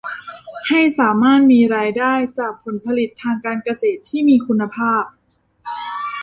ให้สามารถมีรายได้จากผลผลิตทางการเกษตรที่มีคุณภาพ